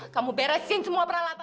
kamu beresin semua peralatan